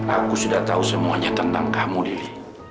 aku sudah tahu semuanya tentang kamu diri